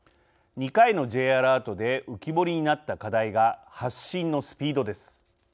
２回のＪアラートで浮き彫りになった課題が発信のスピードです。